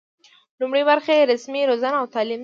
لومړۍ برخه یې رسمي روزنه او تعلیم دی.